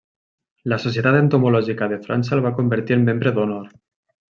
La Societat Entomològica de França el va convertir en membre d'honor.